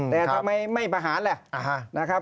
แต่ทำไมไม่ประหารล่ะ